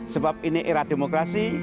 sebab ini era demokrasi